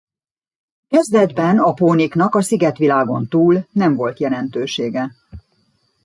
Kezdetben a póniknak a szigetvilágon túl nem volt jelentősége.